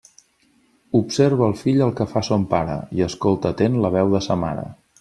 Observa el fill el que fa son pare i escolta atent la veu de sa mare.